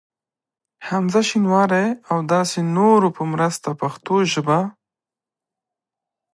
حمزه شینواري ا و داسی نورو په مرسته پښتو ژبه